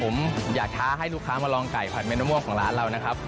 ผมอยากท้าให้ลูกค้ามาลองไก่ผัดเม็ดมะม่วงของร้านเรานะครับ